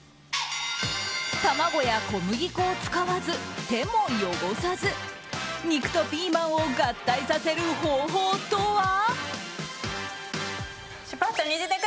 卵や小麦粉を使わず手も汚さず肉とピーマンを合体させる方法とは？